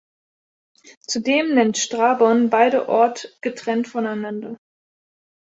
Zudem nennt Strabon beide Ort getrennt voneinander.